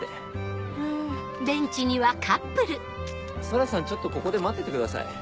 空さんちょっとここで待っててください。